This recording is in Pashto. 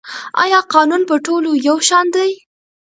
آیا قانون په ټولو یو شان دی؟